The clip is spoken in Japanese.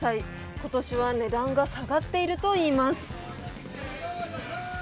今年は値段が下がっているといいます。